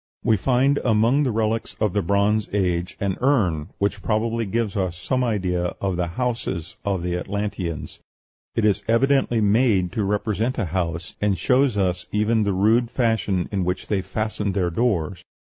We find among the relics of the Bronze Age an urn, which probably gives us some idea of the houses of the Atlanteans: it is evidently made to represent a house, and shows us even the rude fashion in which they fastened their doors.